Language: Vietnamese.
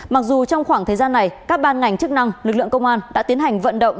mặc dù trong khoảng thời gian này các ban ngành chức năng lực lượng công an đã tiến hành vận động